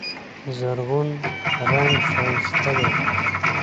زرغون رنګ ښایسته دی.